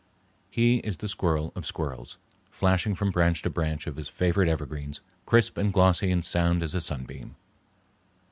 He is the squirrel of squirrels, flashing from branch to branch of his favorite evergreens, crisp and glossy and sound as a sunbeam.